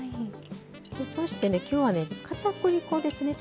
そしてね今日はねかたくり粉ですね。